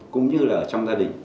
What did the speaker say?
cũng như là trong gia đình